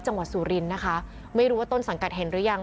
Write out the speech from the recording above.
สุรินทร์นะคะไม่รู้ว่าต้นสังกัดเห็นหรือยัง